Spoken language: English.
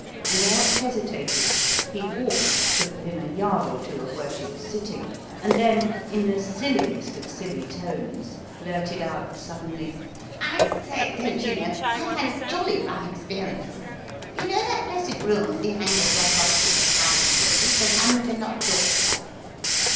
Without hesitating, he walked to within a yard or two of where she was sitting, and then, in the silliest of silly tones, blurted out suddenly: "I say, don't you know, I've had a jolly rum experience. You know that blessed room at the angle just opposite the library the one with the locked door?"